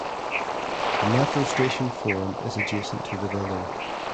The Metro station Forum is adjacent to the building.